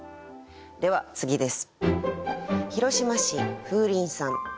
では次です。